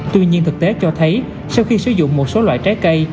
tuy nhiên thực tế cho thấy sau khi sử dụng một số loại trái cây